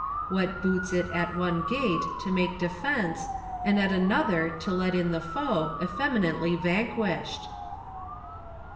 What boots it at one gate to make defence, And at another to let in the foe. Effeminately vanquished